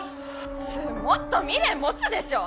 普通もっと未練持つでしょ！？